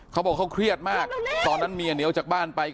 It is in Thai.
เขาบอกเขาเครียดมากตอนนั้นเมียเหนียวจากบ้านไป